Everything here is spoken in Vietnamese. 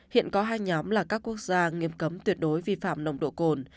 hiện có hai nhóm là các quốc gia nghiêm cấm tuyệt đối vi phạm nồng độ cồn